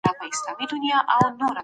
بريا مو يقيني.